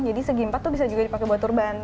jadi segi empat tuh bisa juga dipake buat turban